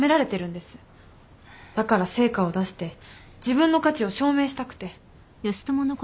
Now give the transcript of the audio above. だから成果を出して自分の価値を証明したくて。